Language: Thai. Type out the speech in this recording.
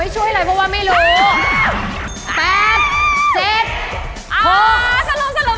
ช่วยอะไรเพราะว่าไม่รู้